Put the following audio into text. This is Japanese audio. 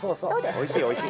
おいしいおいしい。